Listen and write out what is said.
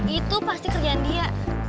itu pasti kerjaan dia